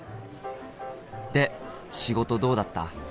で仕事どうだった？